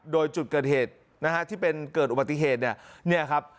โดยจุดเกิดเหตุนะฮะที่เป็นเกิดอุบัติเหตุเนี่ยเนี่ยครับ